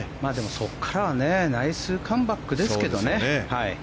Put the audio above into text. そこからはナイスカムバックですけどね。